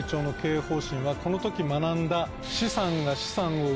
この時学んだ。